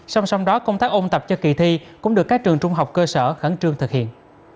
song song đó công tác ôn tập cho kỳ thi cũng được các trường trung học cơ sở khẩn trương thực hiện